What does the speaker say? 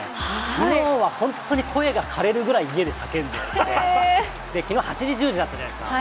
きのうは本当に声がかれるくらい、家で叫んでまして、きのう８時、１０時だったじゃないですか。